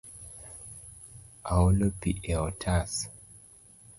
Aolo pi e otas